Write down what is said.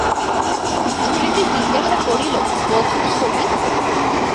ছেলেটি জিজ্ঞাসা করিল, বন্ধুর ছবি?